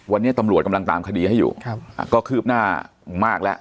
วันนี้ตำรวจกำลังตามคดีให้อยู่ก็คืบหน้ามากแล้ว